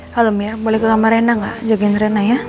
halo mir boleh ke kamar rena gak jagain rena ya